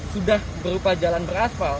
sudah berupa jalan beraspal